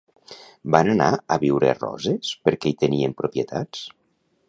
Van anar a viure a Roses per què hi tenien propietats?